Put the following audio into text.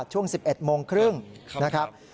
ช่วง๑๑โมงครึ่งนะครับ